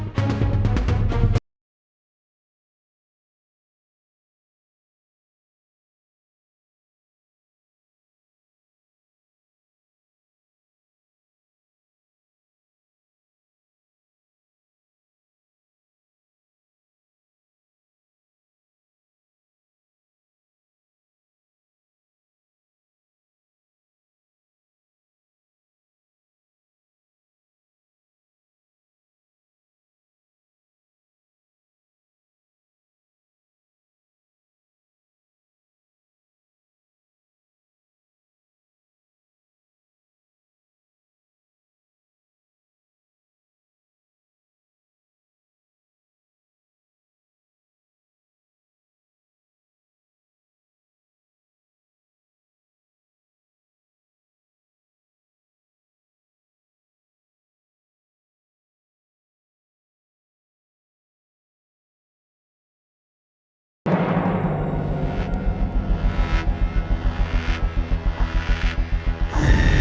siapa yang suruh kamu duduk